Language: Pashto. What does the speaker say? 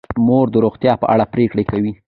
مور د روغتیا په اړه پریکړې کوي.